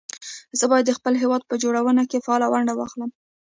زه بايد د خپل هېواد په جوړونه کې فعاله ونډه واخلم